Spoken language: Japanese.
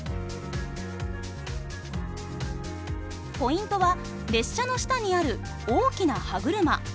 ポイントは列車の下にある大きな歯車。